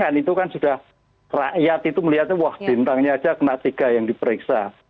kan itu kan sudah rakyat itu melihatnya wah bintangnya aja kena tiga yang diperiksa